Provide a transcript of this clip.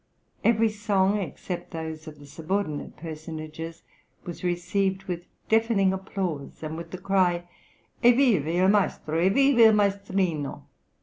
Every song, except those of the subordinate personages, was received with deafening applause, and with the cry "Evviva il maestro! evviva il maestrino!"